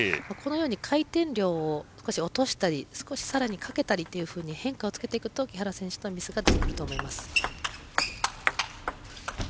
回転量を少し落としたり少しさらにかけたりというふうに変化をつけていくと木原選手のミスが出てくると思います。